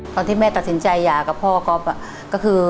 ตอนที่แม่ตัดสินใจหย่ากับพ่อก๊อฟก็คือ